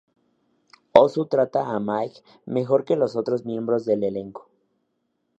Ozu trata a Mikey mejor que los otros miembros del elenco.